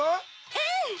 うん。